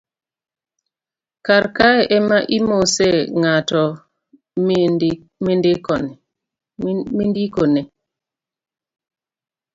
karkae ema imose ng'at mindikone